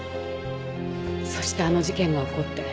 そしてあの事件が起こって。